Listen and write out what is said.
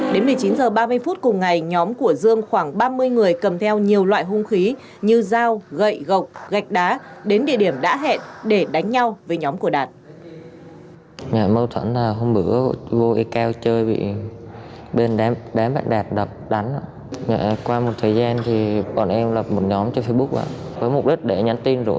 đến một mươi chín h ba mươi phút cùng ngày nhóm của dương khoảng ba mươi người cầm theo nhiều loại hung khí như dao gậy gọc gạch đá đến địa điểm đã hẹn để đánh nhau với nhóm của đạt